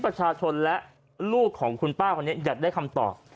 ประชาชนและลูกของคุณป้าคนนี้อยากได้คำตอบ